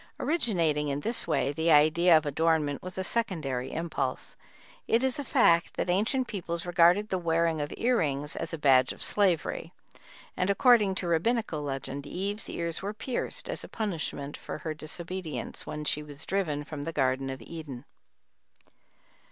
Originating in this way the idea of adornment was a secondary impulse. It is a fact that ancient peoples regarded the wearing of ear rings as a badge of slavery, and, according to a Rabbinical legend, Eve's ears were pierced as a punishment for her disobedience, when she was driven from the Garden of Eden.